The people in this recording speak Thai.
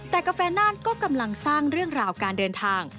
แต่กาแฟน่านก็กำลังสร้างเรื่องราวการเดินทาง